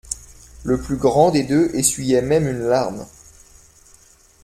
Le plus grand des deux essuyait même une larme.